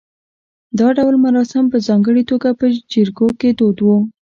دا ډول مراسم په ځانګړې توګه په جریکو کې دود و